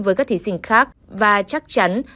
với các thí sinh khác và chắc chắn